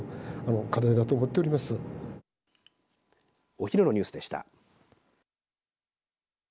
お昼のニュースでした。